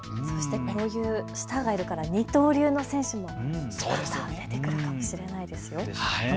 こういうスターがいるから二刀流の選手も出てくるかもしれませんよ。